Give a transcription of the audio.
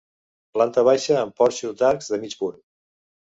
Planta baixa amb porxo d'arcs de mig punt.